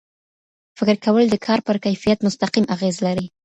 فکر کول د کار پر کیفیت مستقیم اغېز لري.